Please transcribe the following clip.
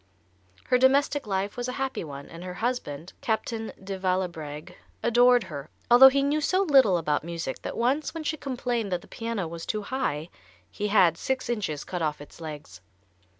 Her domestic life was a happy one, and her husband, Captain de Vallebregue, adored her, although he knew so little about music that once when she complained that the piano was too high he had six inches cut off its legs.